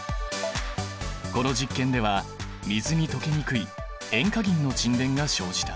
この実験では水に溶けにくい塩化銀の沈殿が生じた。